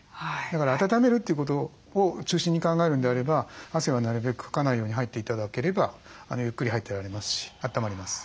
だから温めるということを中心に考えるんであれば汗はなるべくかかないように入って頂ければゆっくり入ってられますしあったまります。